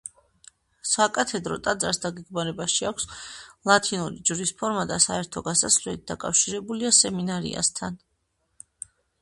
საკათედრო ტაძარს დაგეგმარებაში აქვს ლათინური ჯვრის ფორმა და საერთო გასასვლელით დაკავშირებულია სემინარიასთან.